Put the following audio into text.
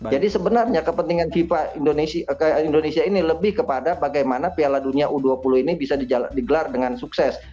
jadi sebenarnya kepentingan fifa indonesia ini lebih kepada bagaimana piala dunia u dua puluh ini bisa digelar dengan sukses